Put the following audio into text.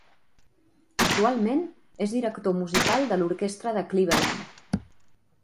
Actualment és director musical de l'Orquestra de Cleveland.